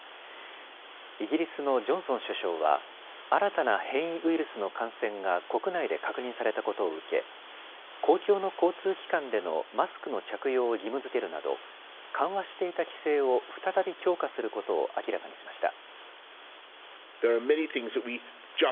イギリスのジョンソン首相は新たな変異ウイルスの感染が国内で確認されたことを受け、公共の交通機関でのマスクの着用を義務づけるなど緩和していた規制を再び強化することを明らかにしました。